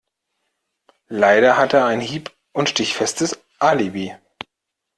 Leider hat er ein hieb- und stichfestes Alibi.